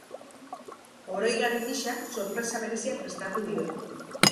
Oroigarri gisa sorpresa berezia prestatu diote.